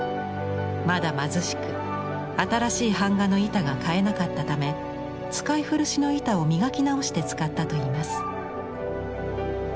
まだ貧しく新しい版画の板が買えなかったため使い古しの板を磨き直して使ったといいます。